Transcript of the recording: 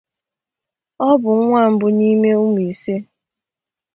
Ọ bụ nwa mbụ n’ime ụmụ ise.